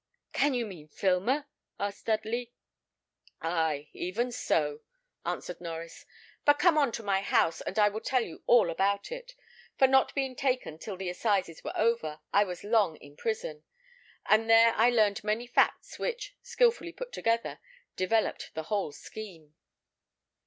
"Can you mean Filmer?" asked Dudley. "Ay, even so," answered Norries; "but come on to my house, and I will tell you all about it; for not being taken till the assizes were over, I was long in prison, and there I learned many facts which, skilfully put together, developed the whole scheme."